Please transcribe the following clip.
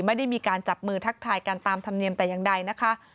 ไม่ได้มีการจับมือทักทายกันตามธรรมเนียมแต่อย่างใดนะคะ